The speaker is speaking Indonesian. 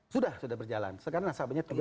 sudah sudah berjalan sekarang nasabahnya tiga dua juta